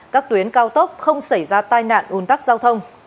các tuyến cao tốc không xảy ra tai nạn un tắc giao thông